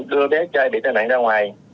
đưa bé trai bị tên nạn ra ngoài